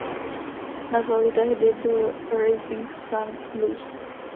Nazval ji tehdy "The Rising Sun Blues".